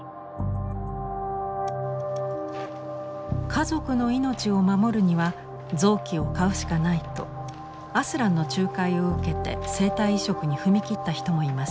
家族の命を守るには臓器を買うしかないとアスランの仲介を受けて生体移植に踏み切った人もいます。